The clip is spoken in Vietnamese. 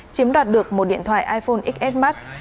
chiếm đoạt được một điện thoại iphone xs max